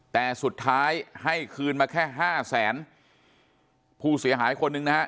แต่สุดท้ายให้คืนมาแค่ห้าแสนผู้เสียหายคนหนึ่งนะฮะ